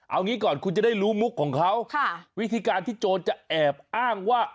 เอางี้ก่อนคุณจะได้รู้มุกของเขาวิธีการที่โจรจะแอบอ้างว่า